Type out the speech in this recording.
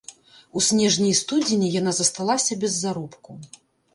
У снежні і студзені яна засталася без заробку.